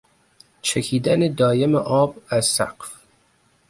چکیدن دایم آب از سقف